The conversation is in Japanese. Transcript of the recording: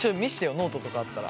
ノートとかあったら。